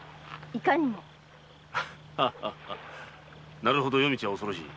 なるほど夜道は恐ろしい。